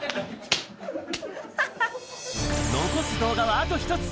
残す動画はあと１つ。